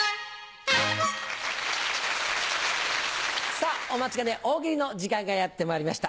さぁお待ちかね大喜利の時間がやってまいりました。